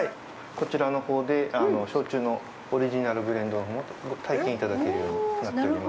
こちらのほうで焼酎のオリジナルブレンドを体験いただけるようになっております。